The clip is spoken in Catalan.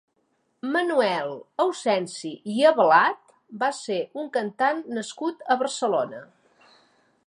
Manuel Ausensi i Albalat va ser un cantant nascut a Barcelona.